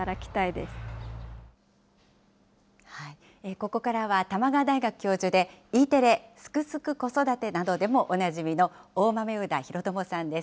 ここからは、玉川大学教授で、Ｅテレ、すくすく子育てなどでもおなじみの、大豆生田啓友さんです。